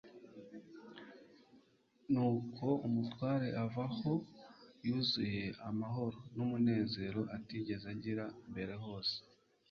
Nuko, umutware ava aho yuzuye amahoro n'umunezero atigeze agira mbere hose.